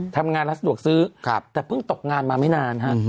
ทำงานร้านสะดวกซื้อแต่เพิ่งตกงานมาไม่นานฮะ